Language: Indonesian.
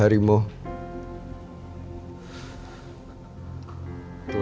aku sudah berusaha untuk mengambil alih